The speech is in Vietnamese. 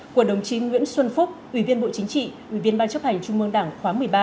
của đồng chí nguyễn xuân phúc ủy viên bộ chính trị ủy viên ban chấp hành trung mương đảng khóa một mươi ba